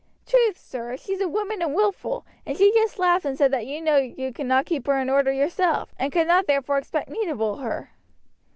"Truth, Sir Archie, she's a woman and wilful, and she just laughed and said that you would know you could not keep her in order yourself, and could not therefore expect me to rule her."